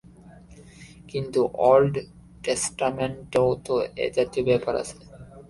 কিন্তু ওল্ড টেষ্টামেণ্টেও তো এ-জাতীয় ব্যাপার আছে।